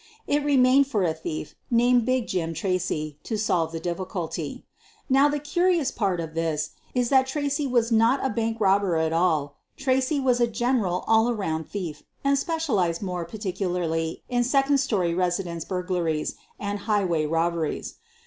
It remained for a thief named "Big Jim" Tracy to solve the difficulty. Now the curious part of this is that Tracy was not a bank robber at all. Traey was a general all around thief, and specialized more particularly in second story residence burglaries and highway robberies.